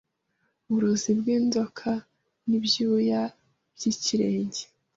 Uburozi bwinzokaNibyuya byikirenge